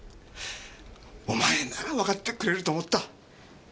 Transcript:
お前ならわかってくれると思った。